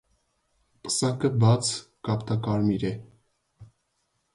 Պսակը բաց կապտակարմիր է։